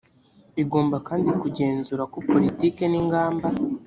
igomba kandi kugenzura ko politiki n ingamba